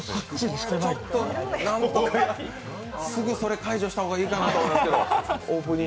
すぐそれ解除した方がいいと思いますけど。